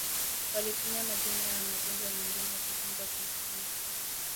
walitumia majina ya magonjwa mengine kutunza kumbukumbu